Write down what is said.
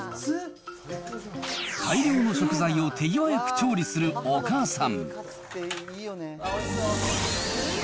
大量の食材を手際よく調理するお母さん。